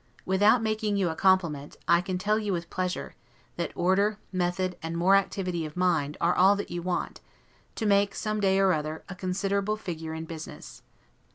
Without making you a compliment, I can tell you with pleasure, that order, method, and more activity of mind, are all that you want, to make, some day or other, a considerable figure in business.